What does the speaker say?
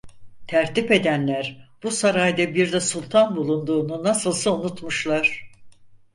Tertip edenler bu sarayda bir de Sultan bulunduğunu nasılsa unutmuşlar…